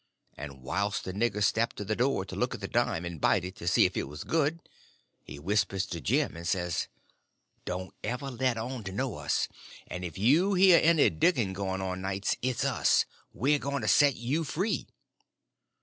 And whilst the nigger stepped to the door to look at the dime and bite it to see if it was good, he whispers to Jim and says: "Don't ever let on to know us. And if you hear any digging going on nights, it's us; we're going to set you free."